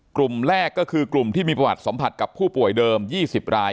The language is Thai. กลุ่มแรกก็คือกลุ่มที่มีประวัติสัมผัสกับผู้ป่วยเดิม๒๐ราย